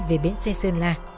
về biển xe sơn la